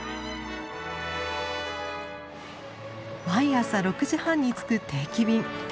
毎朝６時半に着く定期便。